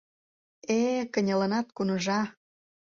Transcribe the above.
Э-э, кынелынат, куныжа!..